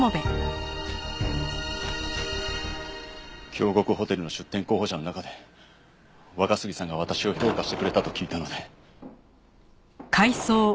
京極ホテルの出店候補者の中で若杉さんが私を評価してくれたと聞いたので。